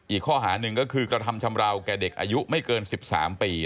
อีกข้อหาหนึ่งก็คือกระทำชำราวแก่เด็กอายุไม่เกิน๑๓ปี